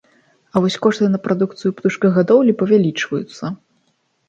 А вось кошты на прадукцыю птушкагадоўлі павялічваюцца.